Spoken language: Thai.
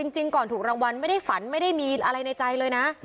จริงก่อนถูกรางวัลไม่ได้ฝันไม่ได้มีอะไรในใจเลยนะ